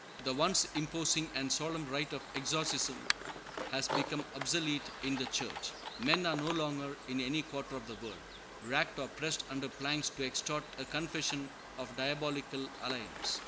The once imposing and solemn rite of exorcism has become obsolete in the Church. Men are no longer, in any quarter of the world, racked or pressed under planks to extort a confession of diabolical alliance.